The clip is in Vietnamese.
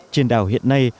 trên đảo hiện nay